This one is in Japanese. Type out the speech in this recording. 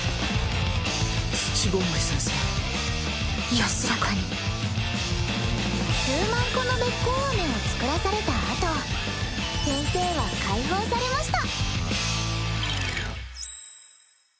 安らかに数万個のべっこうあめを作らされたあと先生は解放されました